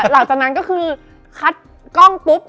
หลังจากนั้นก็คือคัดกล้องปุ๊บ